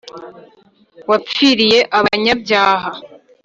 Wapfiriy’ abanyabyaha,